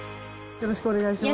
よろしくお願いします。